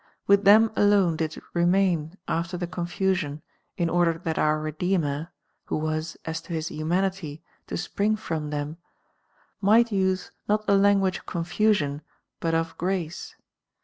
Wit!i them alone did it remain after the con fusion, in order that our Redeemer (who wr.s, as to his humanity, to spring from them) might use, not the language of confusion, but of grace.